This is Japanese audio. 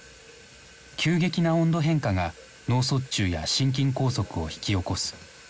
急激な温度変化が脳卒中や心筋梗塞を引き起こす。